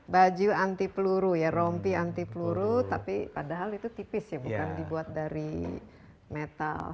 baju anti peluru ya rompi anti peluru tapi padahal itu tipis ya bukan dibuat dari metal